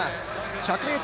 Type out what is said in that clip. １００ｍ